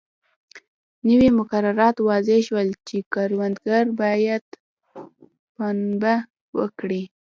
نوي مقررات وضع شول چې کروندګر باید پنبه وکري.